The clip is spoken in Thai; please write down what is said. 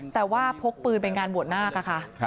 แต่ว่าพกปืนไปงานบวชนาคค่ะ